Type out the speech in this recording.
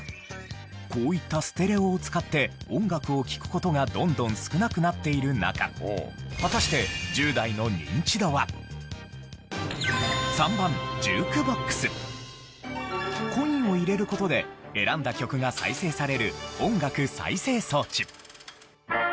こういったステレオを使って音楽を聴く事がどんどん少なくなっている中果たしてコインを入れる事で選んだ曲が再生される音楽再生装置。